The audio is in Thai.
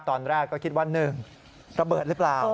ตอนแรกก็คิดว่า๑ระเบิดหรือเปล่า